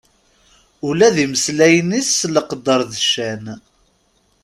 Ula d imesllayen-is s leqder d ccan.